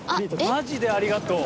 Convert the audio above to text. マジでありがとう。